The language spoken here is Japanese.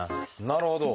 なるほど。